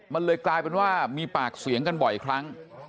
มันเลยกลายเป็นว่ามีปากเสียงกันบ่อยครั้ง